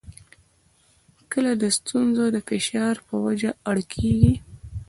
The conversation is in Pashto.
کله د ستونزو د فشار په وجه اړ کېږي.